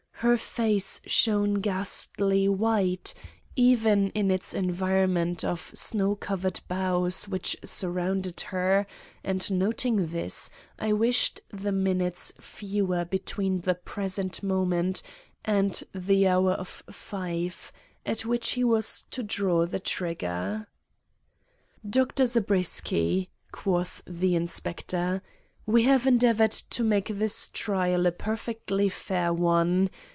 Her face shone ghastly white, even in its environment of snow covered boughs which surrounded her, and, noting this, I wished the minutes fewer between the present moment and the hour of five, at which he was to draw the trigger. "Dr. Zabriskie," quoth the Inspector, "we have endeavored to make this trial a perfectly fair one.